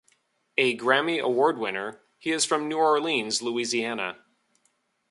A Grammy Award winner, he is from New Orleans, Louisiana.